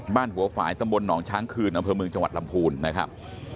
บ้านหัวฝ่ายตำบลหนองช้างคืนอำเภอเมืองจังหวัดลำพูนนะครับ